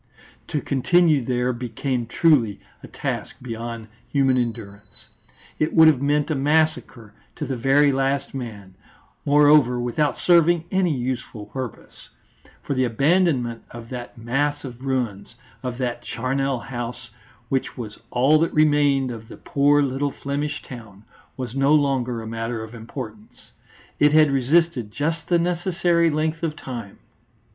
To continue there became truly a task beyond human endurance; it would have meant a massacre to the very last man, moreover without serving any useful purpose, for the abandonment of that mass of ruins, of that charnel house, which was all that remained of the poor little Flemish town, was no longer a matter of importance. It had resisted just the necessary length of time.